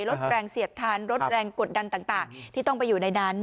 ลดแรงเสียดทานลดแรงกดดันต่างที่ต้องไปอยู่ในนั้น